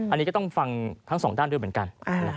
อันนี้ก็ต้องฟังทั้งสองด้านด้วยเหมือนกัน